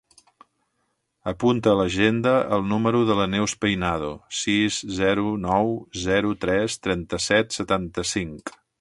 Apunta a l'agenda el número de la Neus Peinado: sis, zero, nou, zero, tres, trenta-set, setanta-cinc.